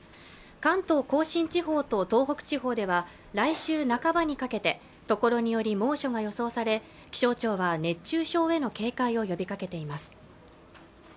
関東甲信地方と東北地方では来週半ばにかけて所により猛暑が予想され気象庁は熱中症への警戒を呼びかけています